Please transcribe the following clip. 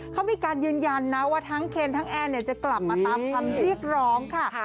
เขามีการยืนยันนะว่าทั้งเคนทั้งแอนจะกลับมาตามคำเรียกร้องค่ะ